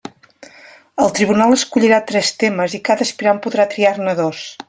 El tribunal escollirà tres temes, i cada aspirant podrà triar-ne dos.